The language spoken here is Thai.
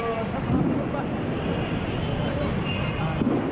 เพราะตอนนี้ก็ไม่มีเวลาให้เข้าไปที่นี่